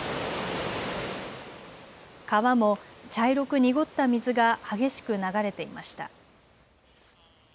川も茶色く濁った水が激しく流れていました。